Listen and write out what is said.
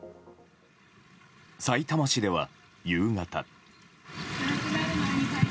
さいたま市では、夕方。